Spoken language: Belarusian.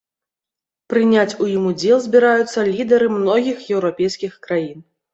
Прыняць у ім удзел збіраюцца лідары многіх еўрапейскіх краін.